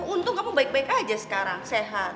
untung kamu baik baik aja sekarang sehat